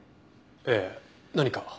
ええ何か？